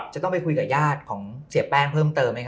จะต้องไปคุยกับญาติของเสียแป้งเพิ่มเติมไหมค